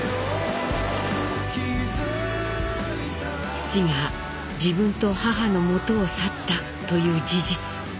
「父が自分と母のもとを去った」という事実。